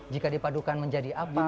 jika dipadukan menjadi apa